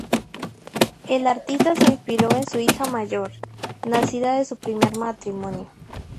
El artista se inspiró en su hija mayor, nacida de su primer matrimonio.